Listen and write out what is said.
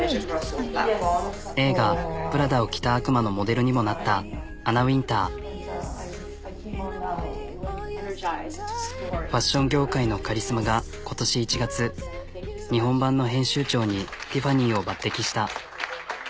映画「プラダを着た悪魔」のモデルにもなったファッション業界のカリスマが今年１月日本版の編集長にティファニーを抜擢した。